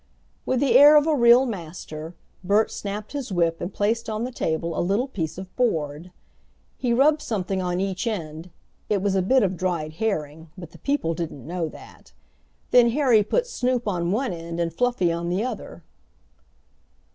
With the air of a real master, Bert snapped his whip and placed on the table a little piece of board. He rubbed something on each end (it was a bit of dried herring, but the people didn't know that), then Harry put Snoop on one end and Fluffy on the other.